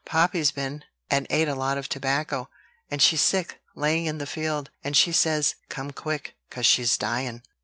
Poppy's been and ate a lot of tobacco; and she's sick, layin' in the field; and she says 'Come quick, 'cause she's dyin.'"